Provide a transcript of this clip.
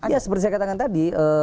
ya seperti saya katakan tadi